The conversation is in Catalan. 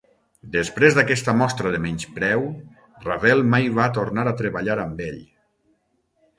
Després d'aquesta mostra de menyspreu, Ravel mai va tornar a treballar amb ell.